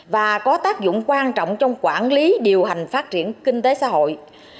và có tác dụng quan trọng trong quản lý điều hành phát triển kinh tế xã hội